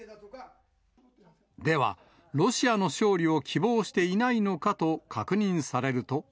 では、ロシアの勝利を希望していないのかと確認されると。